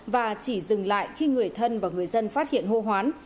và chỉ dừng lại khi người thân và người dân phát hiện hô hoán